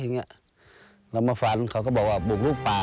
เรามาฝันเขาก็บอกว่าปลูกลุกป่า